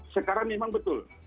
sekarang memang betul